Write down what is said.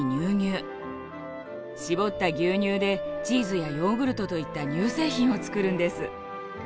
搾った牛乳でチーズやヨーグルトといった乳製品を作るんです。